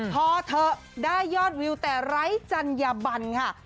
พอเถอะได้ยอดวิวแต่ไร้จัญญบันค่ะ